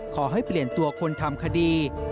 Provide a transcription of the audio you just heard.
ขอให้เปลี่ยนตัวคนทำคดี